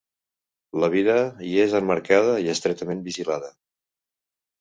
La vida hi és emmarcada i estretament vigilada.